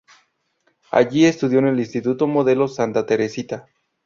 Allí estudió en el Instituto Modelo Santa Teresita.